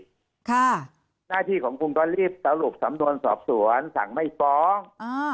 หน้าที่ของคุณก็รีบสรุปสำนวนสอบสวนสั่งไม่ฟ้อง